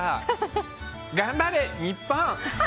頑張れ、日本！